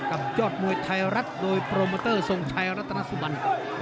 ยอดมวยไทยรัฐโดยโปรโมเตอร์ทรงชัยรัตนสุบัน